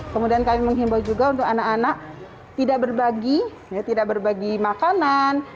kemudian kami menghimbau juga untuk anak anak tidak berbagi tidak berbagi makanan